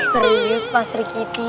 serius pak sri kitty